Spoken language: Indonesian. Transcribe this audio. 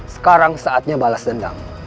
sekarang saatnya balas dendam